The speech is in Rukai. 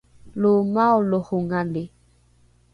lo maolohongali